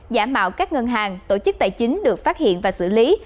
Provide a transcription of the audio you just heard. giả mạo các ngân hàng tổ chức tài chính được phát hiện và xử lý